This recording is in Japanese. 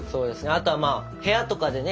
あとはまあ部屋とかでね